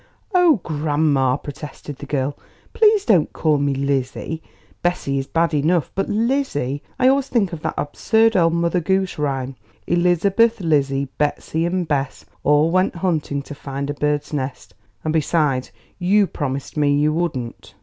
"Oh, grandma!" protested the girl, "please don't call me Lizzie. Bessie is bad enough; but Lizzie! I always think of that absurd old Mother Goose rhyme, 'Elizabeth, Lizzie, Betsey and Bess, all went hunting to find a bird's nest'; and, besides, you promised me you wouldn't."